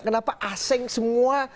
kenapa asing semua